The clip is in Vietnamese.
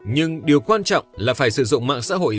nhưng điều quan trọng là phải sử dụng mạng xã hội